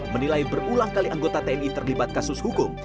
menilai berulang kali anggota tni terlibat kasus hukum